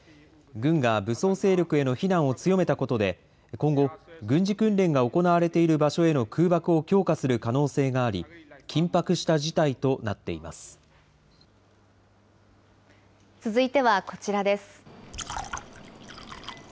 軍が武装勢力への非難を強めたことで、今後、軍事訓練が行われている場所への空爆を強化する可能性があり、緊迫した事態となって続いてはこちらです。